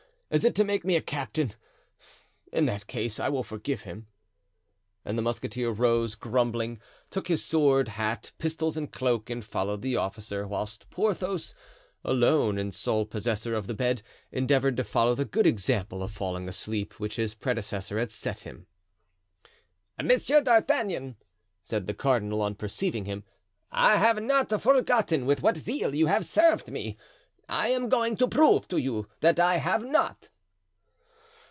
Is it to make me a captain? In that case I will forgive him." And the musketeer rose, grumbling, took his sword, hat, pistols, and cloak, and followed the officer, whilst Porthos, alone and sole possessor of the bed, endeavored to follow the good example of falling asleep, which his predecessor had set him. "Monsieur d'Artagnan," said the cardinal, on perceiving him, "I have not forgotten with what zeal you have served me. I am going to prove to you that I have not."